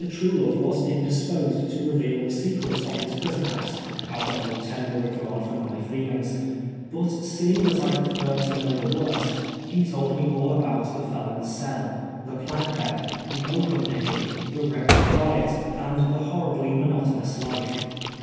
Truelove was indisposed to reveal the secrets of his prison house out of a tender regard for my feelings, but seeing that I preferred to Imow the worst, he told me all about the felon's cell, the plank bed, the oakum picking, the wretched diet, and the horribly monotonous life.